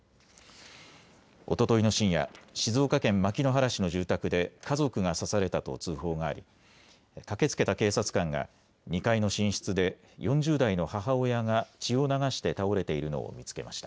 おとといの深夜、静岡県牧之原市の住宅で家族が刺されたと通報があり駆けつけた警察官が２階の寝室で４０代の母親が血を流して倒れているのを見つけました。